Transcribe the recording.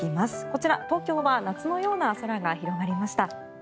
こちら東京は夏のような空が広がりました。